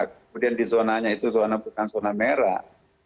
kemudian di zonanya itu zona bukan zona merah